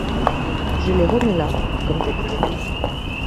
Je les remets là, comme d'habitude.